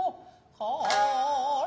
はい。